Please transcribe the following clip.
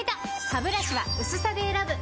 ハブラシは薄さで選ぶ！